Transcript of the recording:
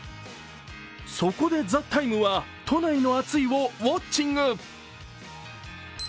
そこで「ＴＨＥＴＩＭＥ，」は都内の暑いをウォッチング。